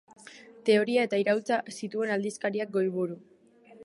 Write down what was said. Teoria eta iraultza zituen aldizkariak goiburu.